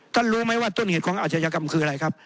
รู้ไหมว่าต้นเหตุของอาชญากรรมคืออะไรครับ